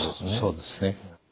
そうですね。